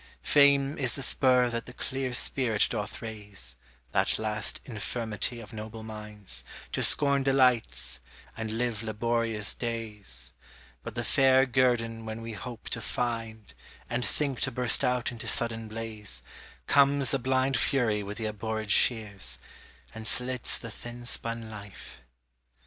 Fame is the spur that the clear spirit doth raise (That last infirmity of noble minds) To scorn delights, and live laborious days; But the fair guerdon when we hope to find, And think to burst out into sudden blaze, Comes the blind fury with the abhorred shears, And slits the thin spun life.